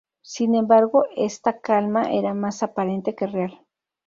Sin embargo esta calma era más aparente que real.